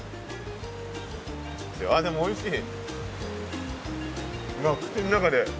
あっでもおいしい。